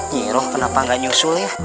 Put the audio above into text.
nyiro kenapa gak nyusul ya